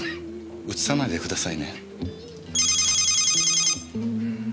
うつさないでくださいね。